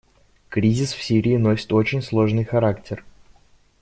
Кризис в Сирии носит очень сложный характер.